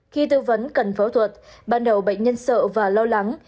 khi tư vấn cần phẫu thuật ban đầu bệnh nhân sợ và lo lắng